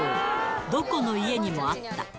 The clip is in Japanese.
どこの家にもあった。